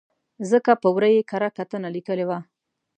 ځکه په ور ه یې کره کتنه لیکلې وه.